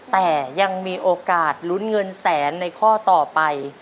แต่ยังมีโอกาสลุ้นเงินแสนในข้อต่อไป